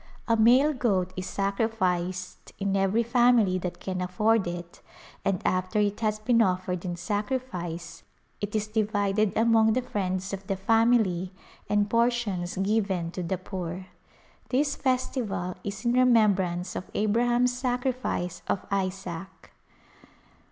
A male goat is sacri ficed in every family that can afford it and after it has been offered in sacrifice, it is divided among the friends of the family and portions given to the poor. This festival is in remembrance of Abraham's sacrifice of Isaac.